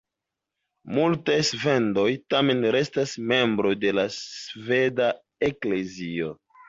Multaj svedoj tamen restas membroj de la sveda Eklezio.